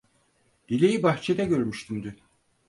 Dilek'i bahçede görmüştüm dün.